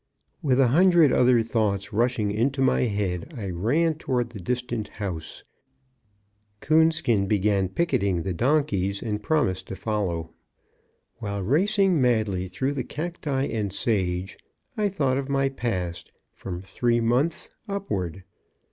With a hundred other thoughts rushing into my head, I ran toward the distant house. Coonskin began picketing the donkeys, and promised to follow. While racing madly through the cacti and sage, I thought of my past, from three months upward.